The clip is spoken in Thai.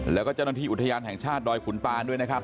แล้วก็เจ้าหน้าที่อุทยานแห่งชาติดอยขุนตานด้วยนะครับ